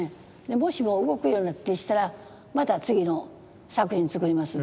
もしも動くような気ぃしたらまた次の作品作ります。